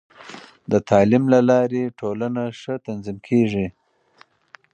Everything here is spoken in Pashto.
د تعلیم له لارې، ټولنه ښه تنظیم کېږي.